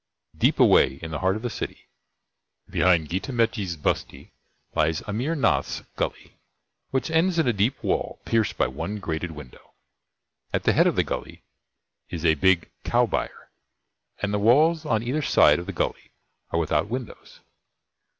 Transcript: Deep away in the heart of the City, behind Jitha Megji's bustee, lies Amir Nath's Gully, which ends in a dead wall pierced by one grated window. At the head of the Gully is a big cow byre, and the walls on either side of the Gully are without windows.